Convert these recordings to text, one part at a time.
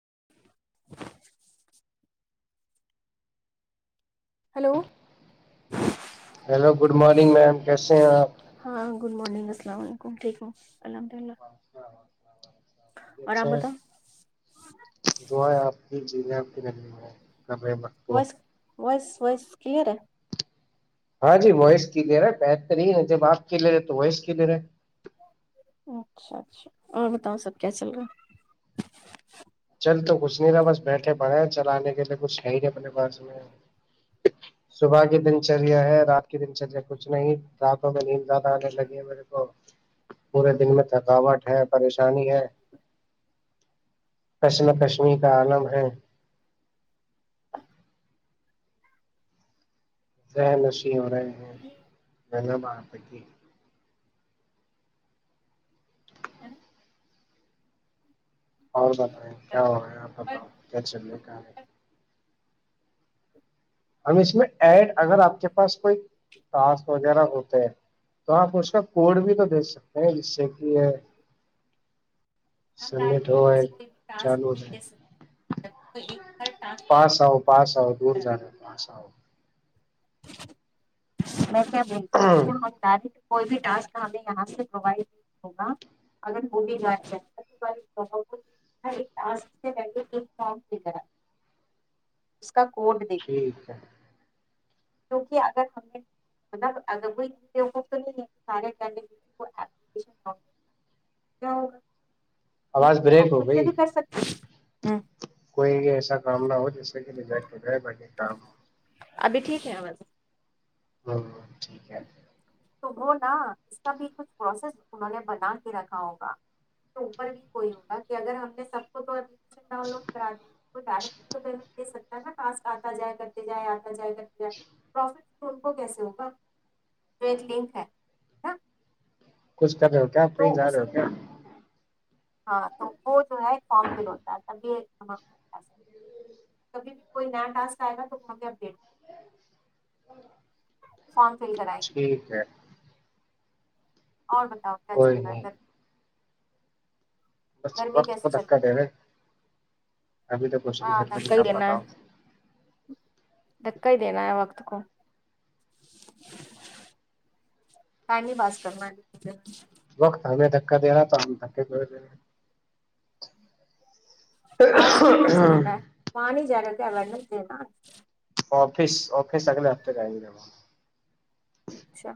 [unintelligible] [inaudible] Hello hello good morning ma'am کیسے ہیں آپ؟ ہاں گڈ مارننگ السلام علیکم ٹھیک الحمد اللہ اھے جو ہے آپ کی جزیا [unintelligible] ہے [unintelligible] کب ب تو ویس کے ہاں جی وائس کلیئر ہے بہترین ہے جب آپ ک لے رہے تو وائس کلیئر ہے اچھا اچھا اور بتاؤ سب کیا چل رہا چل تو کچھ نہیں رہا بس بیٹھے بڑے چلانے کے لیے کچھ ہے ہی نہیں اپنے پاس میں صبح کی دن چریا ہے رات کی دن چریا کچھ نہیں راتوں میں نیند زیادہ آنے لگی ہے میرے کو پورے دن میں تھکاوٹ ہے پریشانی ہے کشم کشمی کا عالم ہے ذہ نشح ہو رہا ہے دھنباد اگےغف [unintelligible] ج [inaudible] اور بتائیں کیا ہو رہا ہے آپ بتاؤ کیا چل رہ کہ ہم اس میں ایڈ اگر آپ کے پاس کوئی کاس وغیرہ ہوتے ہیں تو آپ اس کا کوڈ بھی تو دیکھ سکتے ہیں جس سے کہ یہ ک سبمٹ ہو جب ہے، چالو ہو جائے کو [unintelligible] پاس آؤ پاس آؤ دور جا رہا پاس او ب آؤ [unintelligible] ہ تاری [unintelligible] کوئی بھی ٹک ہم یہاں سےڈ ہوگا ا بھی ف کا کوٹ د ٹھیک ہے کیکہ اگر ہم نے مطلب ا کو تو سارےیگا [unintelligible] آواز بریک ہو بئی ہوں کوئیں گے ایسا کام نہ ہو جیسے مزائ ب کام ابھی ٹھیک ہے آاز ہاں ہ ٹھیک ہے تو ہو نا اس کا بھی کچھ پروسیس انہوں نے بنا کے رکھا ہوگا تو اوپر بھی کوئی ہوگا کہ اگر ہم نے سب کو تو ڈاؤن لوڈ کر تو ڈٹک نہ پاس آتا جائے کرتے جائے آ جائے گا پروفٹ ان کو کیسے ہوگا یہ ایک لنک ہے کچھ چل رہے ہو کیا آپ کہیں تو جا اس رہے ہو کیا ہاں تو وہ جو ہے فارم فل ہوتا ہے تبھی ایک کبھی بھی کوئی نیا ٹاسک آئے گا تو وہاں پہ اپڈیٹ فارم فل کریں ٹھیک ہے اور بتاؤ کیا چل کوئی رہا گھر نہیں پر بس وقت کیسے کو چل دھکا رہی دہرہے ہاں دکا ہی دینا ہے دکا ہی دینا ہے وقت کو ٹائم بھی پاس کرنا ہے وقت ہمیں دھکا دے رہا تو ہم دھکے تمہیں رہے ہیں اج کون سا دن ہے وہاں نہیں جا رہے تھے آپ پڑھنے [inaudible] آفس آفس اگلے ہفتے جائے گے اچھا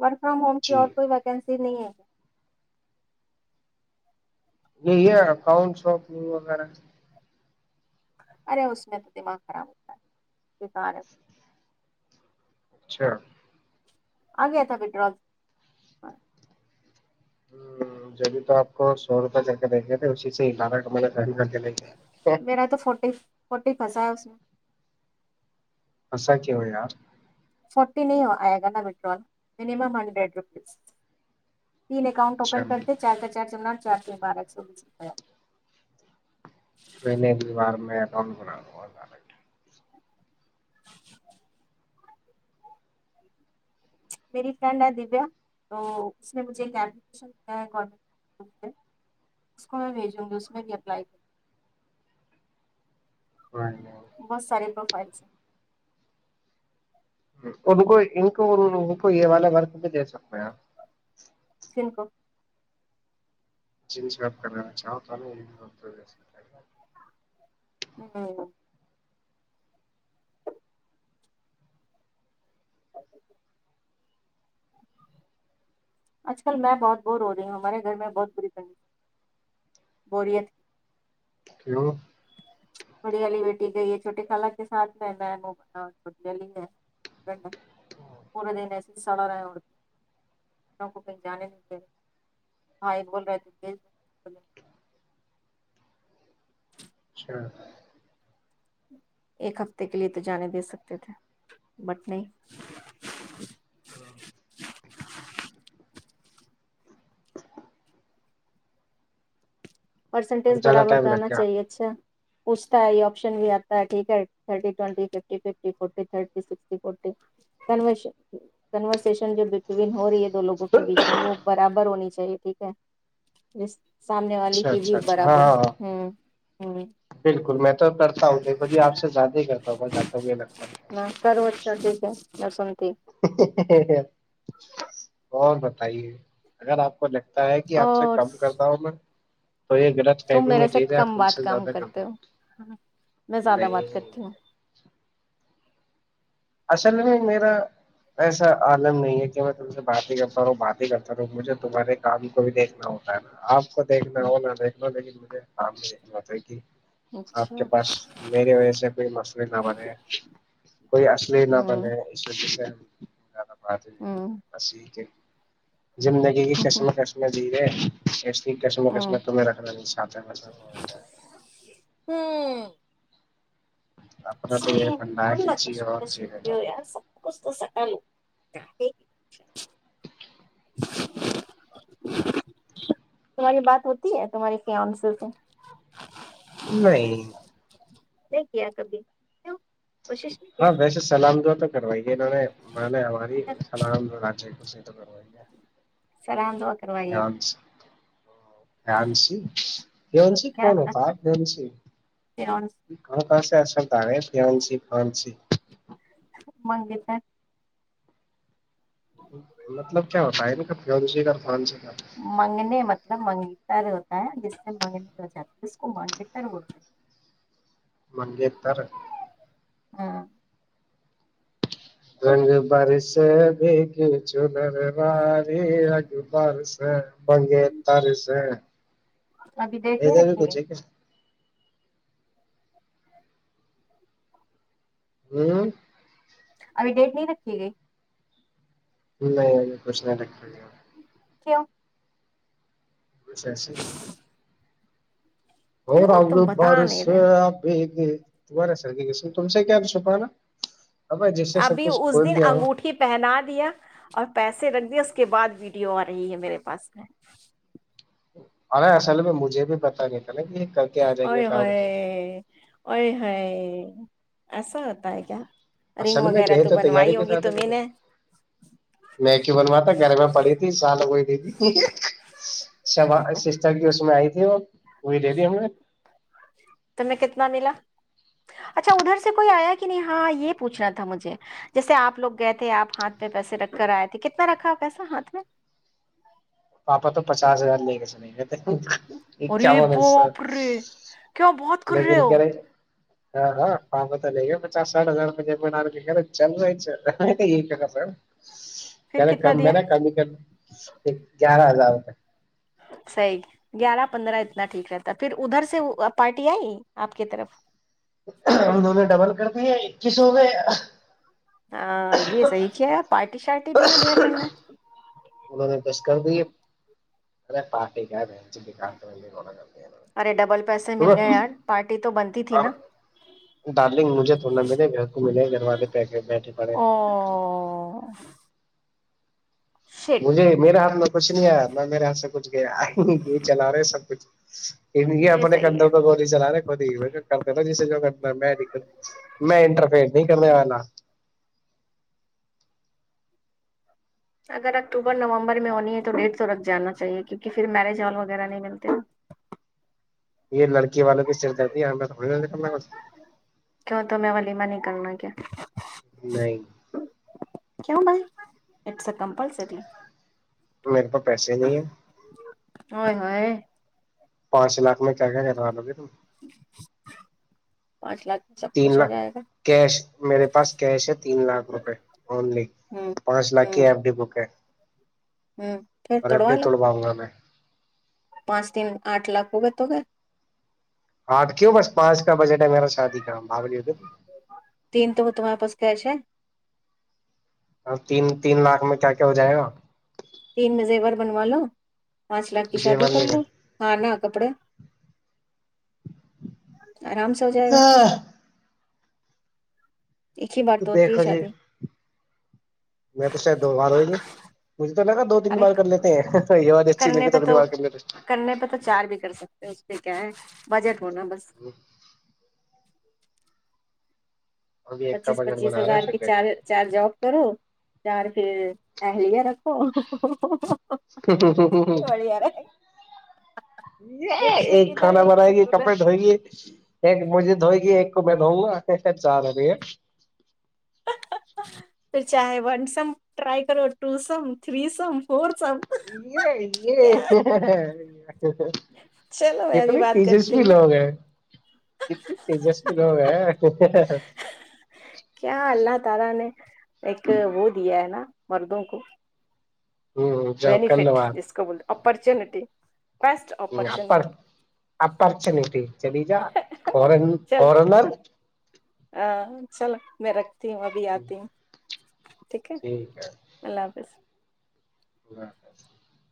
ورک فرام ہوم کی جی اور کوئی ویکینسی نہیں ہے یہی ہے اکاؤنٹ شاپنگ وغیرہ ارے اس میں تو دماغ خراب ہوتا ہے بیکار ہے اچھا آ گیا تھا ودڈراول ہمم جبھی تو آپ کو سو روپے چل کے دیں گے تھے اسی سے ہالٹ ہمے کر کے دیں گے میر تو فورٹی فو فسا ہے اس میں پھنسا کیوں ہے یار فورٹی نہیں آئے گا نا ودڈراول منیمم ففٹی روپیز تین اکاؤنٹ اچھا اوپن کرتے چار کا چار نمبر چار کے بارہ سو بیس روپیہ میں نے بار میں ر با میری فرینڈ ہے دویا تو اس نے مجھے ایک اپلیکیشن ہے گٹ اس کو میں بھیجوں گی اس میں بھی اپلائی کر گی ہاں بہت سارے پروفائلس ہیں ان کو ان کو ان کو یہ والے ورک بھی دے سکتے ہیں آپ دن کو جس بات کر چاہ تو ی توس ہوں آج کل میں بہت بور ہو رہی ہوں ہمارے گھر میں بہت بری پ بورت کیوں بڑیالی بیٹی گئی ہے چھوٹیے کال کے ساتھ میں ہے چھٹلی میں پورے دن ایسے ہی سڑا رہاے اڑ کے ان کو کہیں جانے نہیں گ بھائی بول رہے تھ اچھا ایک ہفتے کے لیے تو جانے دے سکتے تھے بٹ نہیں ہاں [unintelligible] اب پرسنٹیج زیادہ برابر ٹائم کا لگ آنا گیا چاہیے اچھا پوچتا ہے آپشن بھی آتا ہے ٹھیک ہےٹورشن ہو رہی ہے لوگوں کے بیچ میں وہ برابر ہونی چاہیے چیے ٹھیک ہے ج سامنے والی اچھا کی بھی اچھا ہاں برابر ہاں ہ ہوں ہوں بالکل میں تو کرتا ہوں دیکھو جی آپ سے زیادہ ہی کرتا ہوں ب زیادہ یہ لگتا ہے س اور بتائیے اگر آپ آ کو لگتا ہے کہ آپ سے اور کم کرتا ہوں میں تو یہ غلط تم فہموں میں میرے سے جی رہے آپ کم ان سے بات کام زیادہ کرتے کرتاا ہو میں زیادہ بات نہیں کرتی ہوں اصل میں میرا ایسا عالم نہیں ہے کہ میں تم سے بات ہی کرتا رہاوں بات ہی کرتا رہ مجھے تمہارے کام کو بھی دیکھنا ہوتا ہے نا آپ دیکنا ہونا دیکنا لیکن بت کی آپ اچھا کے پاس میری وجہ سے کوئی مسلے نہ بنےے کوئی آ پ نہ ہوں بنے ہے آ تو ہوں بیک ہے زندگی کی ہوں قسم قشم جی س ھسمشم ہوں تو رکھ فنڈا ہے سد کہ کش جیو اور کشمی جینے ج دو ہو یار سب کچھ تو سٹالو [unintelligible] تمہاری بات ہوتی ہے تمہاری فن سے سے نہیں دیک کیا کبھی کیوں کوشش نہیں ہاں کیا ویسے سلام دعا تو کاروائی ہے انہوں نے پہلے ہماری اچھا بس تو کروائی ہیں لسلام دعا کروائیے ہیں [inaudible] فیونسی [inaudible] ‌ فیونسی فیونسی منگیتر مطلب کیا ہوتا ہے فیونسے کا کا منگنے مطلب منگنے تر ہوتا ہے جس سے منگنی ہو جاتی ہے اس کو منگیتر بولتے ہیں منگیتر ہاں رنگ برس بیک چو نر باری رنگ بر ا بگے تاریس ابھی ڈیٹ نہیں ادھر بھی رکھی کچھ گئی ہے کیا ہوں ابھی ڈیٹ نہیں رکھی گئی نہیں کچھ نہیں رکھ کیوں بس ایسے ہی او ارے رنگ تم بتا نہیں رہے برسے ہو بھی ارا سردی کے س تم سے کیا چھپانا اب جس سے سب ابھی کچھ اس کھول دن دیا ہو انگوٹھی پہنا دیا اور پیسے رکھ دیا اس کے بعد ویڈیو آ رہی ہے میرے پاس میں ارے اصل میں مجھے بھی پتا نہیں تھا نا کہ یہ ک اوئے ہوئے اوئے ہوئے ہے ایسا ہوتا ہے کیا رنگ اصل میں وغیرہ گئے تو تیاری بنوائی کے ہوگی ساتھ تمہیں مے نے میں کیوں بنواتا گھر میں پڑی تھی سال ہو گئی سشتر کی اس میں آئی تھی وہ وہی دے دی ہم نے تمہیں کتنا ملا اچھا ادھر سے کوئی ایا کہ نہیں ہاں یہ پوچھنا تھا مجھے جیسے اپ لوگ گئے تھے اپ ہاتھ پہ پیسے رکھ کر ائے تھے کتنا رکھا اپ ایسا ہاتھ میں پاپا تو پچاس ہزار لے کے چلیں گے اے بو پ رہے کیوں بہت کر رہے لیکن ہو کہہ ہاں ہاں فم تو لے گ میں چار سٹھ ہزار م ج من کرا چل رہائ چ یہ سر پھر کیا ن کتنا کم دیا میں نا کم ہی کرنا ایک گیارہ ہزار روپئے صحیح گیارہ پندرہ اتنا ٹھیک رہتا پھر ادھر سے پارٹی آئی آپ کی طرف ہم دونوں ڈبل کر دیے اکیسو میں ہاں یہ صحی کیا پارٹی شارٹی بھی نہ دیا تم نے انوں نے کش کر دی ارے پارٹی کا ارے ڈبل پیسے مل گئے یار پارٹی تو بنتی تھی نا ڈارلنگ مجھے تو نہ ملے گھر کو ملے گھر والے پیکٹ بیٹھے پڑے او شٹ مجھے میرے ہاتھ میں کچھ نہیں ہے میں میرے ہاں سے س کچھ گیا گی چلا رہے سب کچھ [inaudible] ان یہ اپنے صحیح کندوں ہے پہ گولی چلا رہے کو کرتے جیے جگ میں د میں انٹرفئر نہیں کمے آئے نا اگر اکتوبر نومبر میں ہونی ہے تو ڈیھ تو رکھ جانا چاہیے کیونکہ پھر میرج ہال وغیرہ نہیں ملتے یہن لک والوں کی سر درد ہے تھوڑی کرنا کیوں تمہیں ولیمہ نہیں کرنا کیا نہیں کیوں بائی اٹس ا کمپلسری میرے پا پیسے نہیں ہیں ہ ہ پانچ لاکھ میں کیا کیا ہے لوگ [unintelligible] تین ہو لاکھ جائے گا کیش میرے پاس کیش ہے تین لاکھ روپئے اونلی ہوں پانچ لاکھ کی ہوں ایف ڈی بک ہے ہوں پھر اور ابٹی لو توڑوا گ میں پانچ تین آٹھ لاکھ ہو گئے تو گ آٹ کیوں بس پانچ کا بجٹ ہے میرا شادی کا بھ تین تو وہ تمہارے پاس کیسے اور تین تین لاکھ میں کیا کیا ہو جائے گا تین مزے بار بنوا لو پانچ لاکھ کی جیون شادی کر نہیں لو ہاں نہ کپڑے آرام سے ہو جائے گا کر ایک ہی بار تو ہوتی ہے دیکھو جی شادی میں تو شاید دو بار ہوئی ہوں تو نہ کہ دو تین ارے بار کر لیتے ہیں یہ والی اچھی لے کرنے کے تو پہ اگلی بار کر لیتے د کیا ہے بجٹ ہوونا بس ابھی ایک کا پچیس بجٹ پچیس بنا رہا ہزار ہے کی چار شکر چار جاب کرو چار ایلییا رکھ ہمم ہممم ہممم بڑھیا رہے ایک شفٹ ادھر کھانا بنائے گی شفٹ ادھر کپڑے دھوئی ہے ایک مجھے دھوئے گی ایک کو میں دؤوں گا چار ہو گئی ہے پھر چائے ون سم ٹرائی کرو اور two sum three sum four sum یہ کیا یہ چلو میں ابھی کتنے بات تیجسوی کرتی ہوں لوگ ہیں کتنے تیجسوی لوگ ہیں کیا اللہ تعالی نے ایک وہ دیا ہے نا مردوں کو ہ جاؤ کر بینفٹ لو جس کو بول اپورچونیٹی ہممم اپ اپورچنیٹی چلی جا فورا چلو فورنر آ، چلو میرا رکھتی ہوں ابھی آتی ہوں ٹھیک ہے اللہ حافظ [unintelligible]